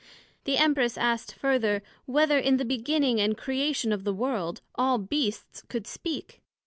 The Empress asked further, Whether in the beginning and Creation of the World, all Beasts could speak?